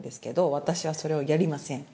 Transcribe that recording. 私はそれをやりません。